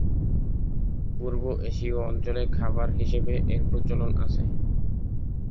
পূর্ব এশীয় অঞ্চলে খাবার হিসেবে এর প্রচলন আছে।